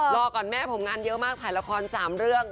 รอก่อนแม่ผมงานเยอะมากถ่ายละคร๓เรื่อง